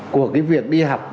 của cái việc đi học